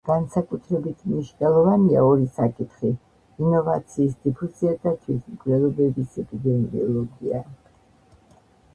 განსაკუთრებით მნიშვნელოვანია ორი საკითხი: ინოვაციის დიფუზია და თვითმკვლელობების ეპიდემიოლოგია.